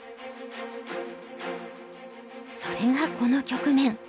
それがこの局面。